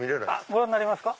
ご覧になりますか？